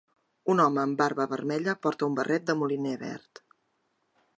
Un home amb barba vermella porta un barret de moliner verd.